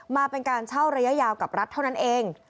มาเป็นการเช่าระยะยาวกับรัฐเท่านั้นเอง